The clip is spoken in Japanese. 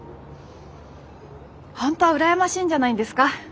本当は羨ましいんじゃないんですか？